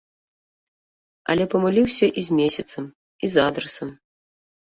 Але памыліўся і з месяцам, і з адрасам.